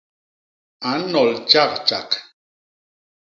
A nnol tjak tjak.